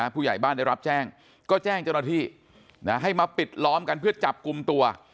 ผู้ใหญ่บ้านได้รับแจ้งก็แจ้งเจ้าหน้าที่ให้มาปิดล้อมกันเพื่อจับกลุ่มตัว